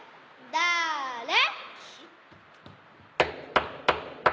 だれ？